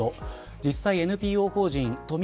実際ＮＰＯ法人都民